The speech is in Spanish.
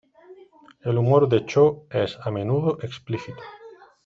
El humor de Cho es, a menudo, explícito.